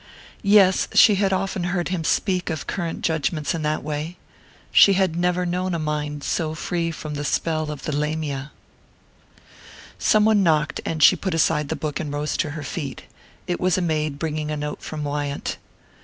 _ Yes, she had often heard him speak of current judgments in that way...she had never known a mind so free from the spell of the Lamiæ. Some one knocked, and she put aside the book and rose to her feet. It was a maid bringing a note from Wyant.